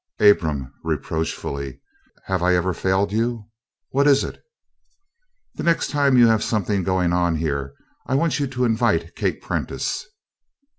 "Abram," reproachfully, "have I ever failed you? What is it?" "The next time you have something going on here I want you to invite Kate Prentice."